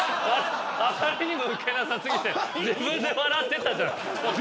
あまりにもウケなさすぎて自分で笑っていたじゃないですか。